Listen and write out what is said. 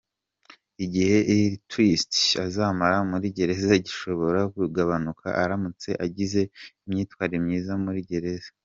Igihe Lil Twist azamara muri gereza gishobora kugabanuka aramutse agize imyitwarire myiza muri gereza.